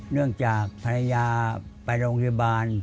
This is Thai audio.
เมื่อขายทุ่มตำก็มีรายได้อยู่ประมาณวันละ๕๐๐บาท